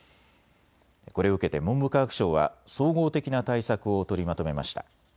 これを受けて文部科学省は総合的な対策を取りまとめました。